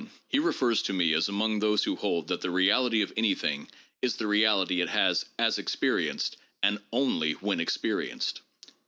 He refers to me as among those who hold that the " reality of anything is the reality it has as experienced and only when experienced'''' (p.